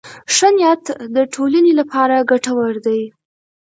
ښه نیت د ټولنې لپاره ګټور دی.